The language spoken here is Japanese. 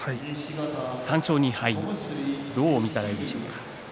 ３勝２敗どう見たらいいでしょうか。